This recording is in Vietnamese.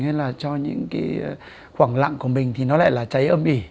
hay là cho những cái khoảng lặng của mình thì nó lại là cháy âm ỉ